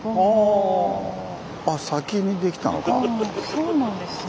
そうなんですね。